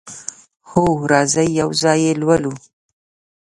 هو، راځئ یو ځای یی لولو